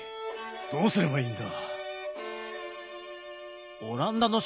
どうすればいいんだ。